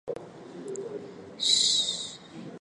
因为主管铨选未能满足士人之心。